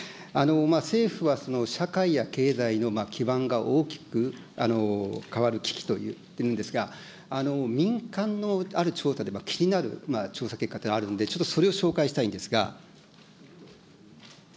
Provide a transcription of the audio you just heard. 政府はその社会や経済の基盤が大きく変わる危機と言ってるんですが、民間のある調査では、気になる調査結果というのがあるんで、ちょっとそれを紹介したいんですが。